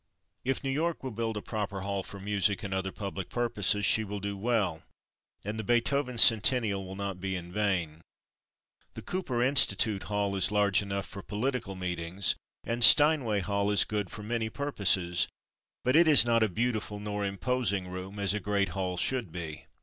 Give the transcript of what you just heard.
If New York will build a proper hall for music and other public purposes, she will do well, and the Beethoven Centennial will not be in vain. The Cooper Institute hall is large enough for political meetings, and Steinway Hall is good for many purposes; but it is not a beautiful nor imposing room, as a great hall should be.